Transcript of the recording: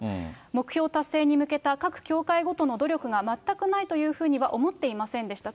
目標達成に向けた各教会ごとの努力が全くないというふうには思っていませんでした。